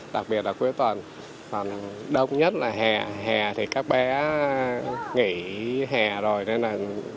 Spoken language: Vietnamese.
đặc biệt là cuối tuần đông nhất là hè thì các bé nghỉ hè rồi nên là